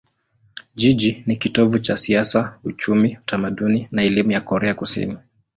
Jiji ni kitovu cha siasa, uchumi, utamaduni na elimu ya Korea Kusini.